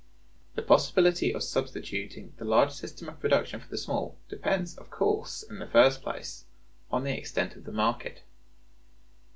The possibility of substituting the large system of production for the small depends, of course, in the first place, on the extent of the market.